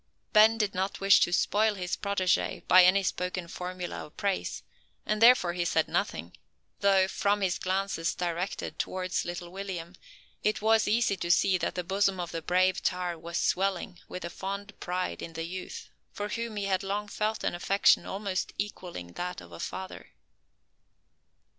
Ben did not wish to spoil his protege by any spoken formula of praise, and therefore he said nothing: though, from his glances directed towards little William, it was easy to see that the bosom of the brave tar was swelling with a fond pride in the youth, for whom he had long felt an affection almost equalling that of a father.